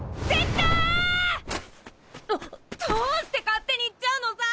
どうして勝手に行っちゃうのさ！